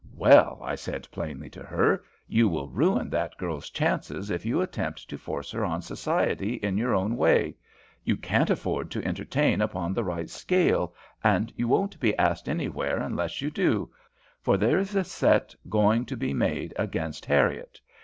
Well, I said plainly to her, 'You will ruin that girl's chances if you attempt to force her on society in your own way. You can't afford to entertain upon the right scale, and you won't be asked anywhere unless you do, for there is a set going to be made against Harriet.